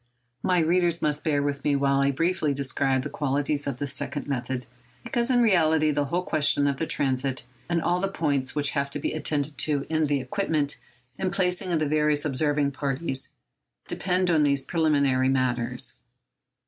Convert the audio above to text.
My readers must bear with me while I briefly describe the qualities of this second method, because in reality the whole question of the transit, and all the points which have to be attended to in the equipment and placing of the various observing parties, depend on these preliminary matters.